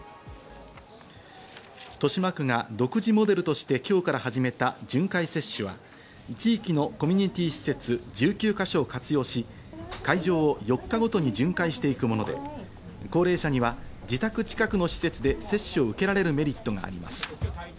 豊島区が独自モデルとして今日から始めた巡回接種は地域のコミュニティー施設１９か所を活用し、会場を４日ごとに巡回していくもので、高齢者には自宅近くの施設で接種を受けられるメリットがあります。